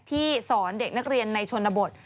สอนเด็กนักเรียนในชนบท